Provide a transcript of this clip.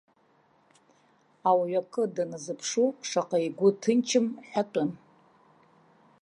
Ауаҩ акы даназыԥшу шаҟа игәы ҭынчым ҳәатәым.